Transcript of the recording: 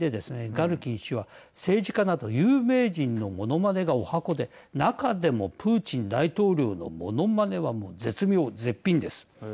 ガルキン氏は政治家など有名人のものまねがおはこで中でもプーチン大統領のものまねはもう絶妙、絶品です。